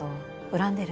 恨んでる？